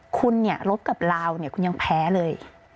คุณลบกับลาวคุณยังแพ้เลย